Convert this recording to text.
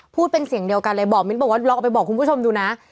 พูดเป็นเสียงเดียวกันเลยบอกว่าลองไปบอกคุณผู้ชมดูนะ